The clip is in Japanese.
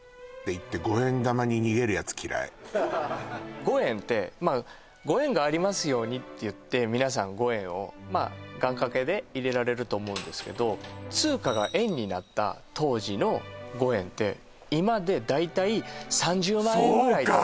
私５円ってまあご縁がありますようにっていって皆さん５円をまあ願掛けで入れられると思うんですけど通貨が円になった当時の５円って今で大体３０万円ぐらいそうか！